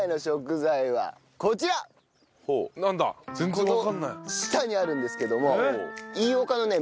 この下にあるんですけども。